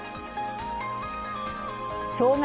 総額